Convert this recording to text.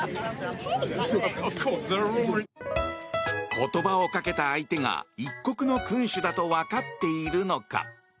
言葉をかけた相手が一国の君主だと分かっているのか。